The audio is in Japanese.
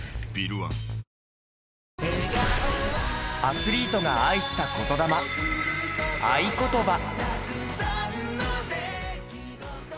アスリートが愛した言魂『愛ことば』。